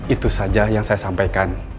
itu saja yang saya sampaikan